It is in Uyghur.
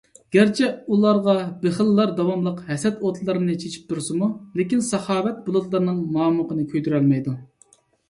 گەرچە ئۇلارغا بېخىللار داۋاملىق ھەسەت ئوتلىرىنى چېچىپ تۇرسىمۇ، لېكىن، ساخاۋەت بۇلۇتلىرىنىڭ مامۇقىنى كۆيدۈرەلمەيدۇ.